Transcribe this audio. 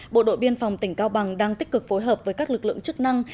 bộ đội biên phòng tỉnh cao bằng đang tích cực phối hợp với các lực lượng chức năng